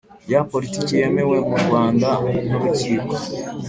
Ya politiki yemewe mu rwanda n urukiko